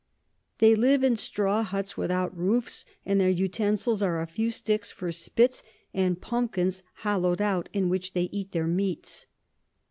They live in Straw Hutts without Roofs, and their Utensils are a few Sticks for Spits, and Pumpkins hollow'd out, in which they eat their Meats.